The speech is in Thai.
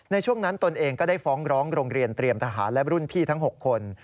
ในช่วงนั้นตนเองก็ได้ฟ้องร้องโรงเรียนเตรียมทหารและรุ่นพี่ทั้ง๖คน